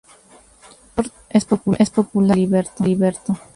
En Sort es popular el filiberto.